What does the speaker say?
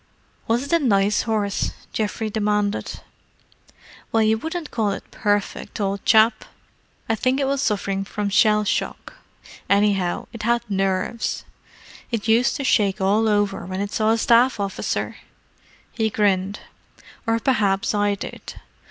"Was it a nice horse?" Geoffrey demanded. "Well, you wouldn't call it perfect, old chap. I think it was suffering from shell shock: anyhow, it had nerves. It used to shake all over when it saw a Staff officer!" He grinned. "Or perhaps I did.